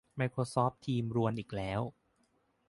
ไมโครซอฟท์ทีมรวนอีกแล้ว